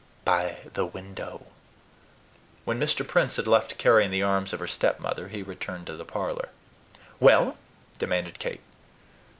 "BY THE WINDOW." When Mr. Prince had left Carry in the arms of her stepmother, he returned to the parlor. "Well?" demanded Kate.